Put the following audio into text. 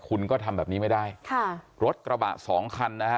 คุณก็ทำแบบนี้ไม่ได้ค่ะรถกระบะสองคันนะฮะ